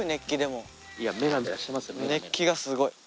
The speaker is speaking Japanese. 熱気がすごい。